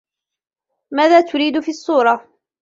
ماذا ترين في الصورة ؟